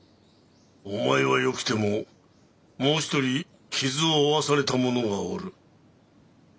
お前はよくてももう一人傷を負わされた者がおる。